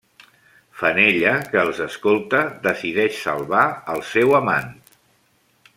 Fenella, que els escolta, decideix salvar al seu amant.